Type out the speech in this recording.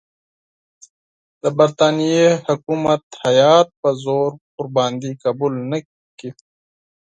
د برټانیې حکومت هیات په زور ورباندې قبول نه کړي.